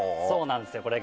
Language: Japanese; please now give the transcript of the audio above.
そうなんですよ